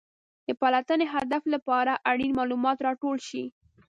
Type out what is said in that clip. د پلټنې هدف لپاره اړین معلومات راټول شوي.